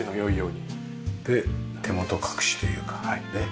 で手元隠しというか。